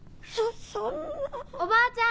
そそんな。